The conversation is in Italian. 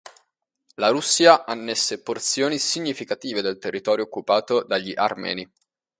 La Russia annesse porzioni significative del territorio occupato dagli armeni.